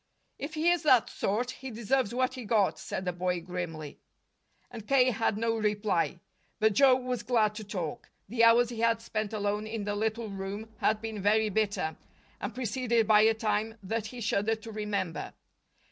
"If he is that sort, he deserves what he got," said the boy grimly. And K. had no reply. But Joe was glad to talk. The hours he had spent alone in the little room had been very bitter, and preceded by a time that he shuddered to remember.